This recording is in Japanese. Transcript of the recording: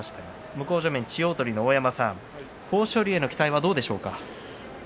向正面の大山さん豊昇龍への期待はどうですか？